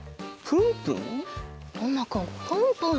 プンプン？